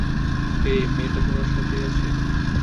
হেই, মেয়েটা তোদের সাথেই আছে?